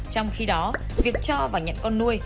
trong khi đó việc cho và nhận con nuôi